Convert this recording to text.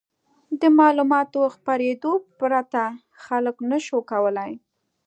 د معلوماتو خپرېدو پرته خلکو نه شوای کولای.